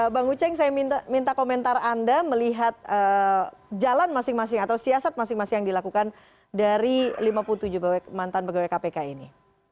bang uceng saya minta komentar anda melihat jalan masing masing atau siasat masing masing yang dilakukan dari lima puluh tujuh mantan pegawai kpk ini